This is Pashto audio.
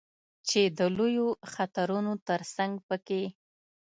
چې د لویو خطرونو ترڅنګ په کې